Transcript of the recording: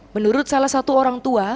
menurut salah satu orang tua